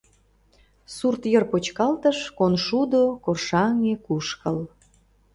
Сурт йыр почкалтыш, коншудо, коршаҥге кушкыл.